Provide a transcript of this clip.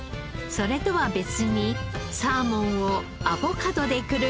それとは別にサーモンをアボカドでくるみ